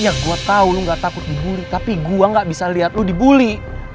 iya gue tau lu gak takut dibully tapi gue gak bisa liat lu dibully